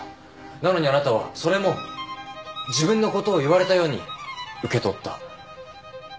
なのにあなたはそれも自分のことを言われたように受け取った。